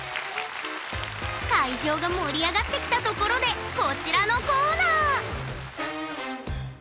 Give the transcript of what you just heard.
会場が盛り上がってきたところでこちらのコーナー！